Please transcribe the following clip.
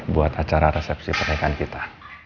buat acara resepsi per yean kita